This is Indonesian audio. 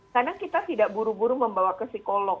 karena kita tidak buru buru membawa ke psikolog